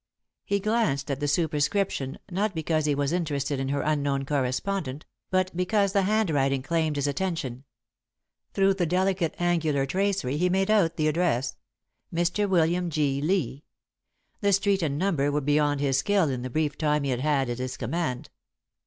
He glanced at the superscription, not because he was interested in her unknown correspondent, but because the handwriting claimed his attention. Through the delicate angular tracery he made out the address: "Mr. William G. Lee." The street and number were beyond his skill in the brief time he had at his command.